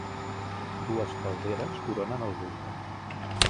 Dues calderes coronen el volcà.